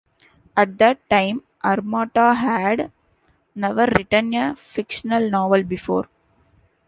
At that time, Aramata had never written a fictional novel before.